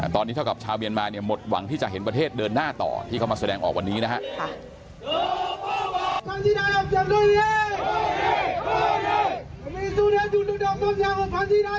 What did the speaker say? ตอนนี้เท่ากับชาวเมียนมาเนี่ยหมดหวังที่จะเห็นประเทศเดินหน้าต่อที่เข้ามาแสดงออกวันนี้นะครับ